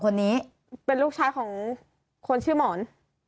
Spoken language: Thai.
คนนี้เป็นลูกชายของคนชื่อหมอน